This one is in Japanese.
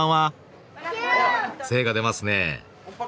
精が出ますね。